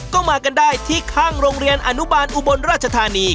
ก็มากันได้ที่ข้างโรงเรียนอนุบาลอุบลราชธานี